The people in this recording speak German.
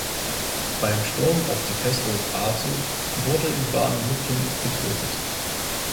Beim Sturm auf die Festung Asow wurde Iwan Lukin getötet.